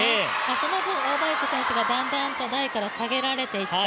その分、王曼イク選手がだんだんと台から下げられていった。